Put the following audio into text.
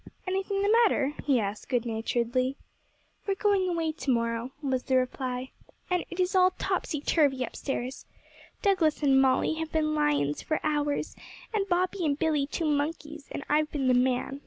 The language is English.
'Anything the matter?' he asked good naturedly. 'We're going away to morrow,' was the reply, 'and it is all topsy turvy upstairs. Douglas and Molly have been lions for hours, and Bobby and Billy two monkeys, and I've been the man.